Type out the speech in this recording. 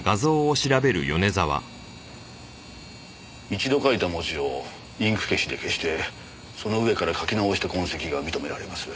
一度書いた文字をインク消しで消してその上から書き直した痕跡が認められます。